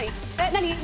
何？